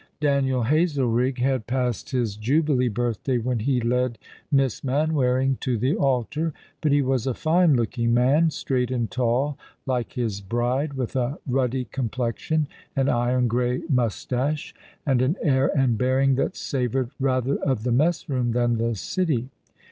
Daniel Hazelrigg had passed his jubilee birthday when he led Miss ManwariDg to the altar ; but he was a fine looking man, straight and tall, like his bride, with a ruddy complexion and iron grey mous tache, and an air and bearing that savoured rather of the mess room than the city.